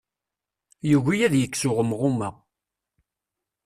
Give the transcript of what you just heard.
Yugi ad yekkes uɣemɣum-a.